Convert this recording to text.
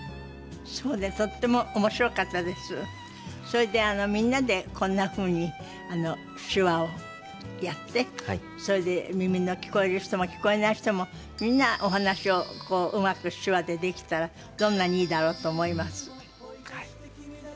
それでみんなでこんなふうに手話をやってそれで耳の聞こえる人も聞こえない人もみんなお話をうまく手話でできたらどんなにいいだろうと思います。